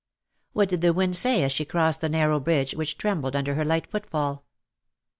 — what did the wind say as she crossed the narrow bridge w^hich trembled under lier light footfall ?